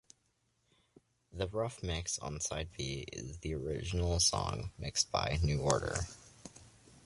The "Rough Mix" on side B is the original song mixed by New Order.